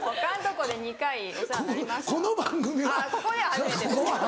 「この番組は」。